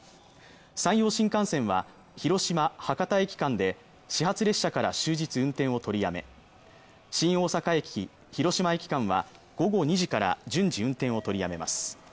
山陽新幹線は広島ー博多駅間で始発列車から終日運転を取りやめ新大阪駅ー広島駅間は午後２時から順次運転を取りやめます